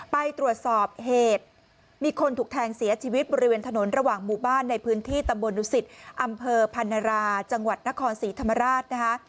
ไปตรวจสอบเหตุมีคนถูกแทงเสียชีวิตบริเวณถนนระหว่างหมู่บ้านในพื้นที่ตำบลดุสิตอำเภอพันราจังหวัดนครศรีธรรมราชนะคะ